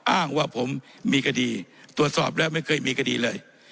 อ้างว่าผมมีคดีตรวจสอบแล้วไม่เคยมีคดีเลย